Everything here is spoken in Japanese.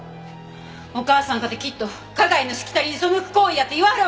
おかあさんかてきっと花街のしきたりに背く行為やて言わはる思うわ。